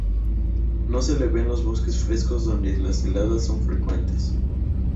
No se le ve en los bosques frescos donde las heladas son frecuentes.